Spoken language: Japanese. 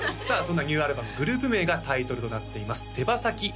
そんなニューアルバムグループ名がタイトルとなっています「手羽先センセーション」です